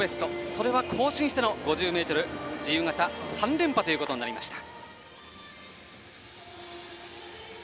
それは更新しての５０ｍ自由形３連覇となりました。